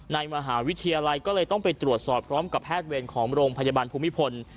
ในมหาวิทยาลัยก็เลยต้องไปตรวจสอบพร้อมกับแพทย์เวรของโรงพยาบาลภูมิพล